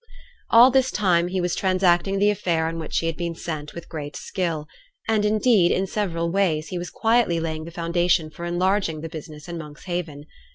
All this time he was transacting the affair on which he had been sent, with great skill; and, indeed, in several ways, he was quietly laying the foundation for enlarging the business in Monkshaven.